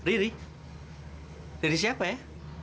ini rumah kakaknya